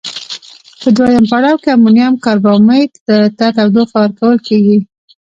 په دویم پړاو کې امونیم کاربامیت ته تودوخه ورکول کیږي.